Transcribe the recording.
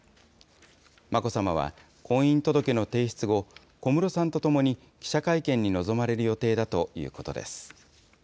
眞子さまは、婚姻届の提出後、小室さんと共に記者会見に臨まれる予定だということです。